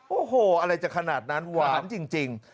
โอ้โหอะไรจะขนาดนั้นหวานจริง